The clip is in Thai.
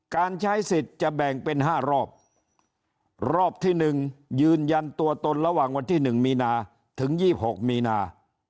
การใช้สิทธิ์จะแบ่งเป็น๕รอบรอบที่๑ยืนยันตัวตนระหว่างวันที่๑มีนาถึง๒๖มีนา